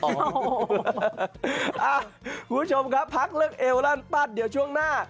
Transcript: คุณผู้ชมครับพักเลิกเอวรั่นปัดเดี๋ยวช่วงหน้า